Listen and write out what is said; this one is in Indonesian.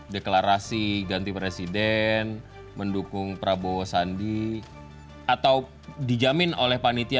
deklarasi ganti presiden mendukung prabowo sandi atau dijamin oleh panitia